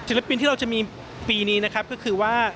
ปินที่เราจะมีปีนี้นะครับก็คือว่า